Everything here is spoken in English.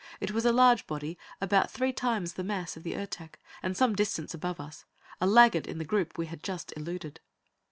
It was a large body, about three times the mass of the Ertak, and some distance above us a laggard in the group we had just eluded.